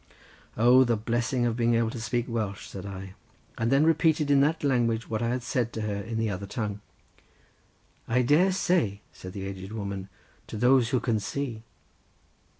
"O, the blessing of being able to speak Welsh," said I; and then repeated in that language what I had said to her in the other tongue. "I dare say," said the aged woman, "to those who can see."